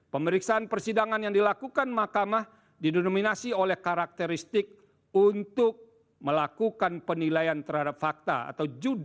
pemeriksaan persidangan yang dilakukan mahkamah didonominasi oleh karakteristik untuk melakukan penilaian terhadap fakta atau judul